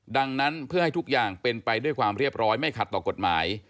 ดังนั้นเพื่อให้ทุกอย่างเป็นไปด้วยความเรียบร้อยไม่ขัดต่อกฎหมาย